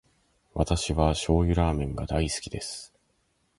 私は醤油ラーメンが大好きです。